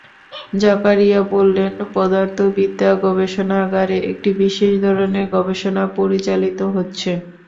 জাকারিয়া বললেন, পদার্থবিদ্যা গবেষণাগারে একটি বিশেষ ধরনের গবেষণা পরিচালিত হচ্ছে।